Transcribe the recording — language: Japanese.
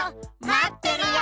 まってるよ！